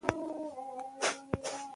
ماهیان √ کبان